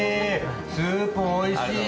スープ、おいしい。